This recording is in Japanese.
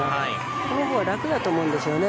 このほうが楽だと思うんですよね。